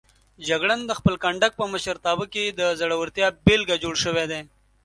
جګړن د خپل کنډک په مشرتابه کې د زړورتیا بېلګه جوړ شوی دی.